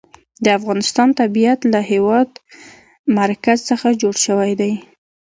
د افغانستان طبیعت له د هېواد مرکز څخه جوړ شوی دی.